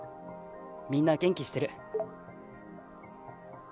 みんな元気してる。